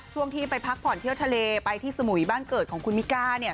ช่วงที่ไปพักผ่อนเที่ยวทะเลไปที่สมุยบ้านเกิดของคุณมิก้าเนี่ย